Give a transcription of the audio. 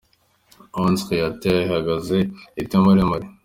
Onze Créateurs ihagaze ite muri Mali?.